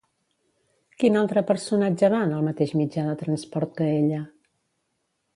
Quin altre personatge va en el mateix mitjà de transport que ella?